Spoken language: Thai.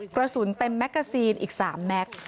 กระสุนเต็มแมกกาซีนอีก๓แม็กซ์